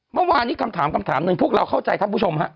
เมื่อวานนี้คำถามนึงพวกเราเข้าใจครับผู้ชม